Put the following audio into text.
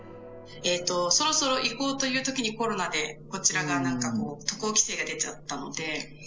そろそろ行こうというときに、コロナでこちらが、渡航規制が出ちゃったので。